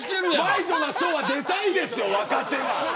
ワイドナショーは出たいですよ若手は。